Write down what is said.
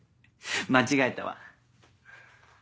間違えたわ。